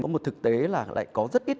có một thực tế là lại có rất ít